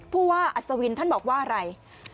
ผู้ว่าอัศวินท่านบอกว่าอะไร